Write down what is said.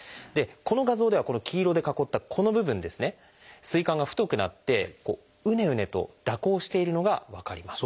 この画像では黄色で囲ったこの部分膵管が太くなってうねうねと蛇行しているのが分かります。